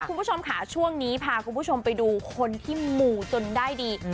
คุณผู้ชมค่ะช่วงนี้พาคุณผู้ชมไปดูคนที่หมู่จนได้ดี